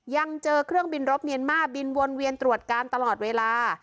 ยังเจอเครื่องบินรบเมียนมาร์บินวนเวียนตรวจการตลอดเวลา